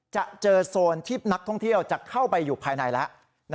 จะเจอโซนที่นักท่องเที่ยวจะเข้าไปอยู่ภายในแล้ว